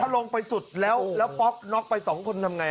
ถ้าลงไปสุดแล้วแล้วป๊อกน็อกไปสองคนทำไง